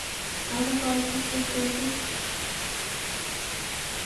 আমরা কয়েকদিন দূরে চলে যাই?